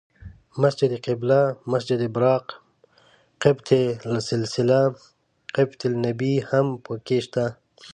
مسجد قبله، مسجد براق، قبة السلسله، قبة النبی هم په کې شته.